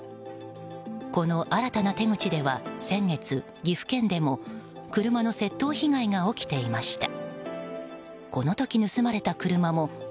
この新たな手口では先月、岐阜県でも車の窃盗被害が起きていました。